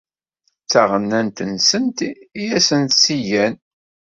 D taɣennant-nsent i asent-tt-igan.